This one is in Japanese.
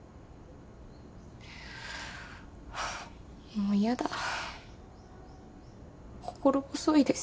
もう嫌だ心細いです